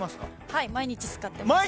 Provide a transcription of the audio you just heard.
はい、毎日使ってます。